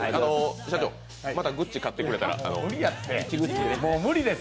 社長、またグッチ買ってくれたら、１グッチで。